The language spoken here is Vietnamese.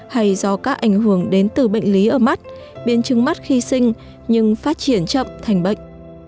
hay do các ảnh hưởng đến từ bệnh lý ở mắt biến chứng mắt khi sinh nhưng phát triển chậm thành bệnh